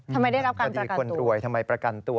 ทำไมไม่ได้รับการประกันตัวคดีของคนรวยทำไมประกันตัว